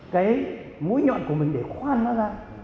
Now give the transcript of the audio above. cái mũi nhọn của mình để khoan nó ra